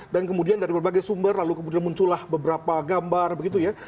kemudian dari berbagai sumber lalu kemudian muncullah beberapa gambar begitu ya